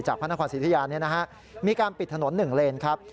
จากพระนครสิวทิยานมีการปิดถนนหนึ่งเลนครับ